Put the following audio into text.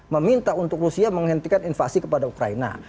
meminta untuk rusia menghentikan invasi kepada ukraina